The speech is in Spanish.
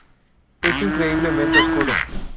Es increíblemente oscuro.